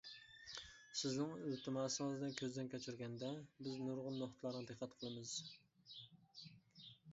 سىزنىڭ ئىلتىماسىڭىزنى كۆزدىن كۆچۈرگەندە، بىز نۇرغۇن نۇقتىلارغا دىققەت قىلىمىز.